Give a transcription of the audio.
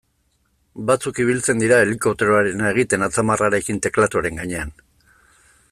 Batzuk ibiltzen dira helikopteroarena egiten atzamarrarekin teklatuaren gainean.